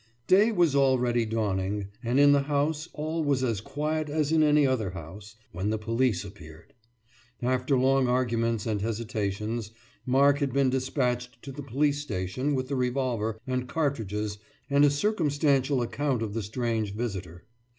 «Day was already dawning, and in the house all was as quiet as in any other house, when the police appeared. After long arguments and hesitations Mark had been dispatched to the police station with the revolver and cartridges and a circumstantial account of the strange visitor.